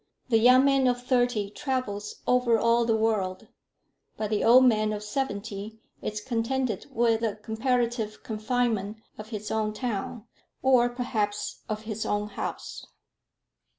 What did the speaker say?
The young man of thirty travels over all the world, but the old man of seventy is contented with the comparative confinement of his own town, or perhaps of his own house.